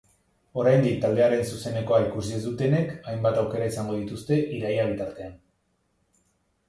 Oraindik taldearen zuzenekoa ikusi ez dutenek, hainbat aukera izango dituzte iraila bitartean.